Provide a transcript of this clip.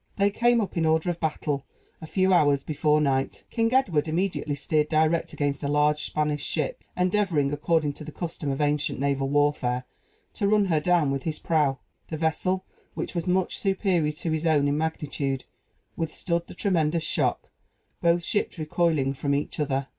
They came up, in order of battle, a few hours before night. King Edward immediately steered direct against a large Spanish ship; endeavoring, according to the custom of ancient naval warfare, to run her down with his prow. The vessel, which was much superior to his own in magnitude, withstood the tremendous shock both ships recoiling from each other.